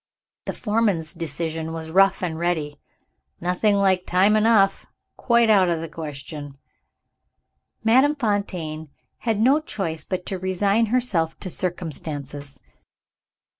The foreman's decision was rough and ready. "Nothing like time enough; quite out of the question." Madame Fontaine had no choice but to resign herself to circumstances.